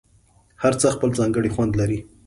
هر څه خپل ځانګړی خوند لري.